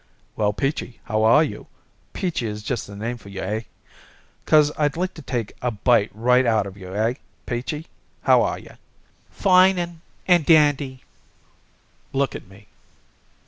"Well, Peachy, how are you? Peachy is just the name for you, eh? 'Cause I'd like to take a bite right out of you eh, Peachy? How are you?" "Fine and and dandy." "Look at me."